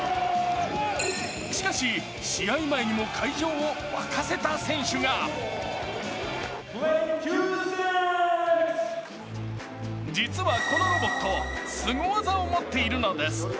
しかし、試合前にも会場を沸かせた選手が実はこのロボット、スゴ技を持っているのです。